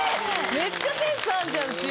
めっちゃセンスあんじゃんウチ。